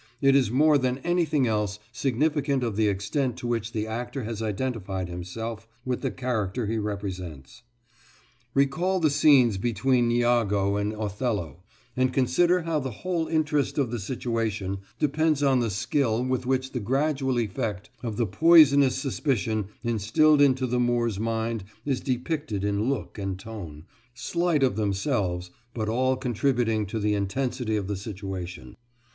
It is more than anything else significant of the extent to which the actor has identified himself with the character he represents. Recall the scenes between Iago and Othello, and consider how the whole interest of the situation depends on the skill with which the gradual effect of the poisonous suspicion instilled into the Moor's mind is depicted in look and tone, slight of themselves, but all contributing to the intensity of the situation.